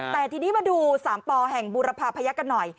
แต่ทีนี้มาดู๓ปแห่งบุรพาพยักษ์กันหน่อย